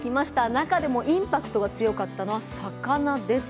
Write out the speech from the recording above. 中でもインパクトが強かったのは魚です。